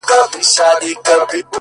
• جرس فرهاد زما نژدې ملگرى ـ